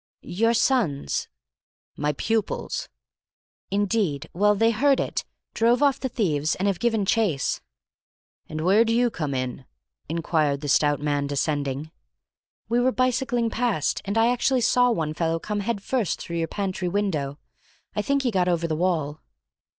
"Your sons—" "My pupils." "Indeed. Well, they heard it, drove off the thieves, and have given chase." "And where do you come in?" inquired the stout man, descending. "We were bicycling past, and I actually saw one fellow come head first through your pantry window. I think he got over the wall."